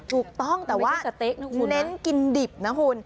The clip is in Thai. ถูกต้องแต่ว่าเน้นกินดิบนะคุณ